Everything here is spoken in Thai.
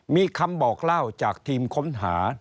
มีคำบอกเล่าจากทีมค้นหา